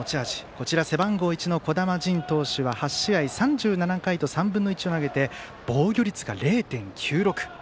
こちら背番号１の児玉迅投手は８試合３７回と３分の１を投げて防御率が０．９６。